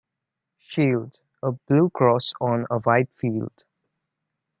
Shield: A blue cross on a white field.